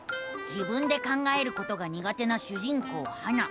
自分で考えることがにが手な主人公ハナ。